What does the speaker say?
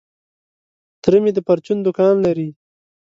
تره مي د پرچون دوکان لري .